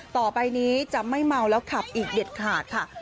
ต่อไปนี้จะไม่เมาแล้วขับอีกเด็ดขาดค่ะ